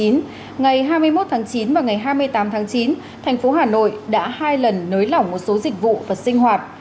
ngày hai mươi một chín và ngày hai mươi tám chín tp hà nội đã hai lần nới lỏng một số dịch vụ và sinh hoạt